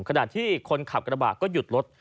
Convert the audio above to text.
ขณะที่คนขับกระบะก็หยุดรถ